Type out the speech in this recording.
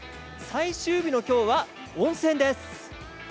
最終日の今日は、温泉です。